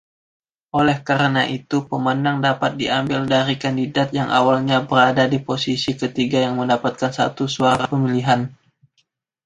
Oleh karena itu, pemenang dapat diambil dari kandidat yang awalnya berada di posisi ketiga yang mendapatkan satu suara pemilihan